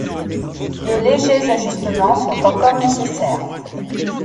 De légers ajustements sont encore nécessaires.